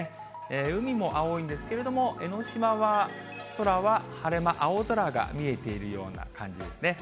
海も青いんですけれども、江の島は空は晴れ間、青空が見えているような感じですね。